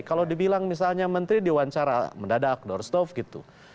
kalau dibilang misalnya menteri diwawancara mendadak doorstov gitu